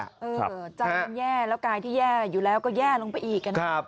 ใจมันแย่แล้วกายที่แย่อยู่แล้วก็แย่ลงไปอีก